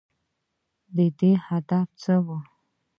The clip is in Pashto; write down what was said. د ده هدف څه و ؟